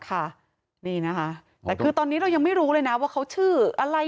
ค่ะนี่นะคะแต่คือตอนนี้เรายังไม่รู้เลยนะว่าเขาชื่ออะไร